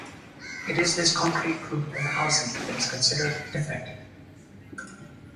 It is this concrete group of housing that is considered defective.